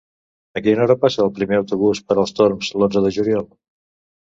A quina hora passa el primer autobús per els Torms l'onze de juliol?